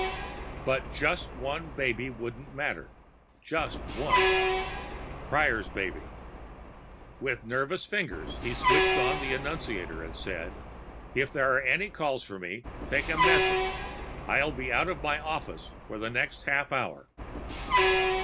But just one baby wouldn't matter. Just one. Prior's baby. With nervous fingers he switched on the annunciator and said, "If there are any calls for me, take the message. I'll be out of my office for the next half hour."